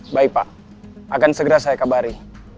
baik pak akan segera saya kabari